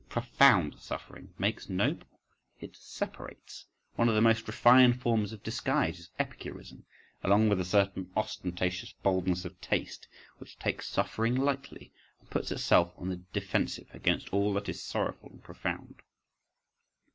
Profound suffering makes noble; it separates.—One of the most refined forms of disguise is Epicurism, along with a certain ostentatious boldness of taste which takes suffering lightly, and puts itself on the defensive against all that is sorrowful and profound.